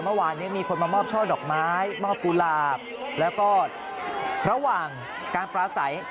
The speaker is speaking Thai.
เมื่อวานนี้มีคนมามอบช่อดอกไม้มอบกุหลาบแล้วก็ระหว่างการปลาใส